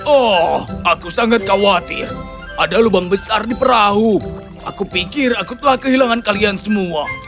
oh aku sangat khawatir ada lubang besar di perahu aku pikir aku telah kehilangan kalian semua